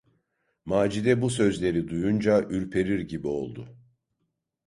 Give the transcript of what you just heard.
Macide bu sözleri duyunca ürperir gibi oldu.